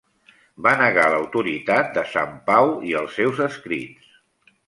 Va negar l'autoritat de Sant Pau i els seus escrits.